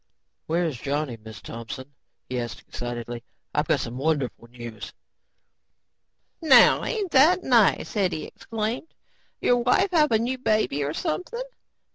"Where's Johnny, Mrs. Thompson?" he asked excitedly. "I've got some wonderful news." "Now ain't that nice," Hetty exclaimed. "Your wife have a new baby or something?